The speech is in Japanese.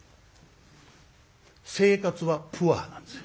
生活はプアーなんですよ。